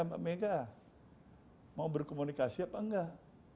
mbak mega mau berkomunikasi atau tidak